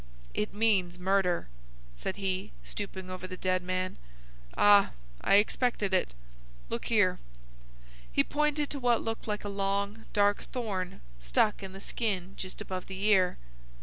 "It means murder," said he, stooping over the dead man. "Ah, I expected it. Look here!" He pointed to what looked like a long, dark thorn stuck in the skin just above the ear.